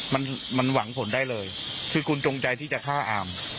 มันมันหวังผลได้เลยคือคุณจงใจที่จะฆ่าอาม